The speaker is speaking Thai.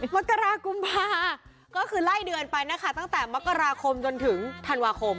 มกรากุมภาก็คือไล่เดือนไปนะคะตั้งแต่มกราคมจนถึงธันวาคม